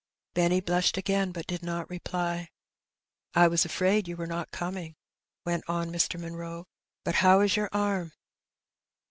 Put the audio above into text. Benny blushed again, but did not reply. ^^ I was afraid you were not coming," went on Mr. Munroe ;*^ but how is your arm